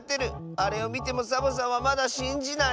あれをみてもサボさんはまだしんじない？